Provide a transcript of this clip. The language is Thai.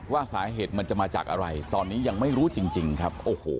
ว่าสาเหตุมันจะมาจากอะไรตอนนี้ยังไม่รู้จริงครับโอ้โห